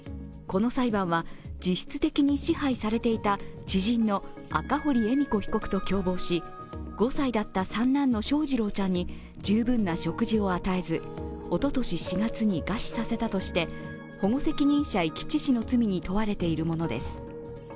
この裁判は、実質的に支配されていた知人の赤堀恵美子被告と共謀し５歳だった三男の翔士郎ちゃんに十分な食事を与えずおととし４月に餓死させたとして保護責任者遺棄致死の罪に問われているものです。